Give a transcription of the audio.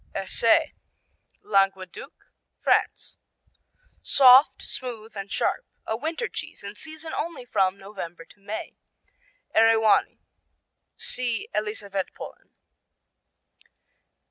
Erce Languedoc, France Soft, smooth and sharp. A winter cheese in season only from November to May. Eriwani see Elisavetpolen.